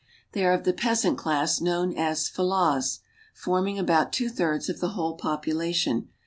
They are of the peasant class, known as Fellahs, forming about two thirds of the whole population.